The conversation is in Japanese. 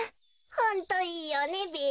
ホントいいよねべ。